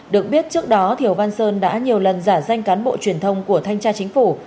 được biết trước đó thiều văn sơn đã nhiều lần giả danh cán bộ truyền thông của thanh tra chính phủ